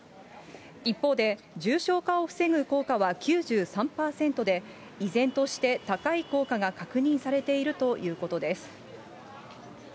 一方で、重症化を防ぐ効果は９３％で、依然として高い効果が確認されているということです。